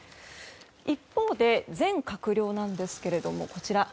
一方で、全閣僚なんですがこちら。